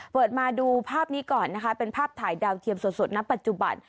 เปิดมาดูภาพนี้ก่อนนะคะเป็นภาพถ่ายดาวเทียมสดณปัจจุบัน